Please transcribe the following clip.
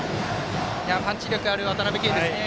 パンチ力ある、渡辺憩ですね。